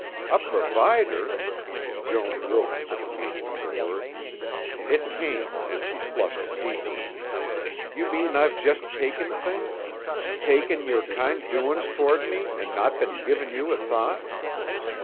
"A provider?" Joan groped for the meaning of the word. It came, and she flushed deeply. "You mean I've just taken things, taken your kind doin's toward me an' not been givin' you a thought."